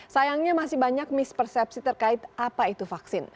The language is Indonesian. sayangnya masih banyak mispersepsi terkait apa itu vaksin